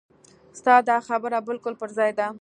ستا دا خبره بالکل پر ځای ده.